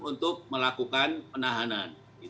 untuk melakukan penahanan